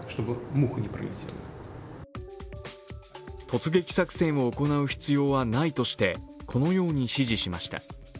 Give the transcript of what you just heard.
突撃作戦を行う必要はないとしてこのように指示しました。